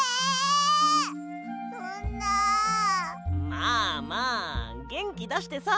まあまあげんきだしてさ。